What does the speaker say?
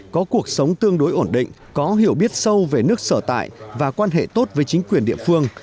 có cuộc sống tương đối ổn định có hiểu biết sâu về nước sở tại và quan hệ tốt với chính quyền địa phương